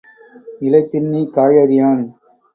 இலை தின்னி காய் அறியான்.